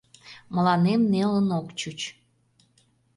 Мыланем нелын ок чуч...